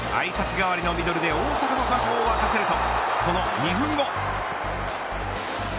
代わりのミドルで大阪のファンを沸かせるとその２分後。